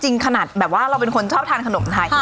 ขนาดแบบว่าเราเป็นคนชอบทานขนมไทย